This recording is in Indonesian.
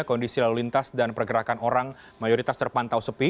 kondisi lalu lintas dan pergerakan orang mayoritas terpantau sepi